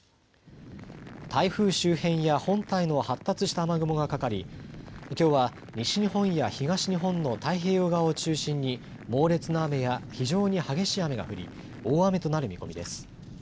台風周辺や本体の発達した雨雲がかかりきょうは西日本や東日本の太平洋側を中心に猛烈な雨や非常に激しい雨が降り大雨となる見込みです。